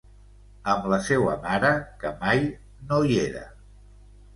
Amb la seua mare que mai no hi era...